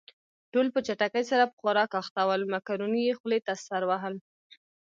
ټول په چټکۍ سره په خوراک اخته ول، مکروني يې خولې ته سر وهل.